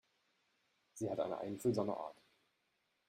Sie hat eine einfühlsame Art.